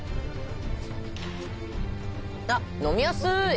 あっ飲みやすい！